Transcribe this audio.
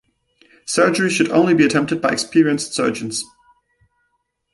Surgery should only be attempted by experienced surgeons.